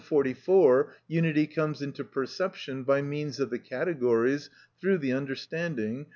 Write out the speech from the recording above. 144, unity comes into perception, by means of the categories, through the understanding.